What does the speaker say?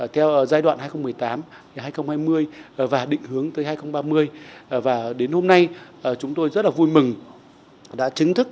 theo giai đoạn hai nghìn một mươi tám hai nghìn hai mươi và định hướng tới hai nghìn ba mươi và đến hôm nay chúng tôi rất là vui mừng đã chứng thức